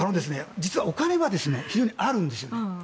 実はお金は非常にあるんです。